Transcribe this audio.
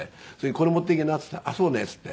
「これ持っていきな」って言ったら「あっそうね」って言って。